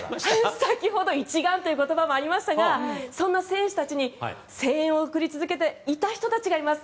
先ほど一丸という言葉もありましたがそんな選手たちに、声援を送り続けていた人たちがいます。